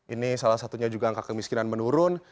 ini salah satunya juga angka kemiskinan menurun